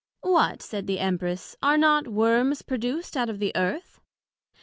What, said the Empress, are not Worms produced out of the Earth?